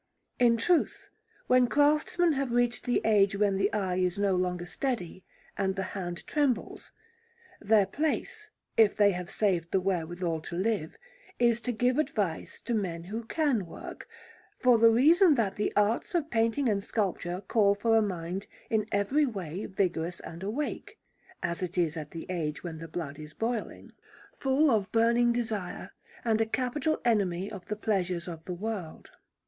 In truth, when craftsmen have reached the age when the eye is no longer steady and the hand trembles, their place, if they have saved the wherewithal to live, is to give advice to men who can work, for the reason that the arts of painting and sculpture call for a mind in every way vigorous and awake (as it is at the age when the blood is boiling), full of burning desire, and a capital enemy of the pleasures of the world.